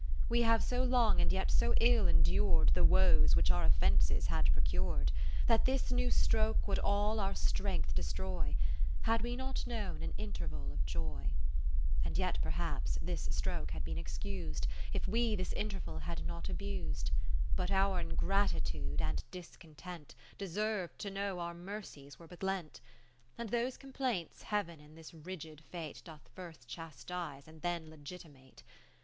We have so long and yet so ill en dur'd The woes which our offences had procur'd, That this new stroke would all our strength destroy, Had we not known an interval of Joy. And yet perhaps this stroke had been excus'd, If we this interval had not abus'd. But our ingratitude and discontent, Deserv'd to know our mercies were but lent : 10 And those complaints Heaven in this rigid fate Does first chastise, and then legiti mate.